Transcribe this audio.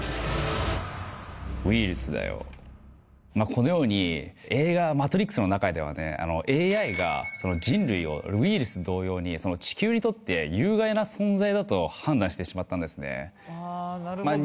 このように映画「マトリックス」の中ではＡＩが人類をウイルス同様に地球にとって有害な存在だと判断してしまったんですねああ